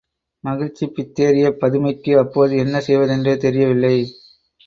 மகிழ்ச்சிப் பித்தேறிய பதுமைக்கு அப்போது என்ன செய்வதென்றே தெரியவில்லை.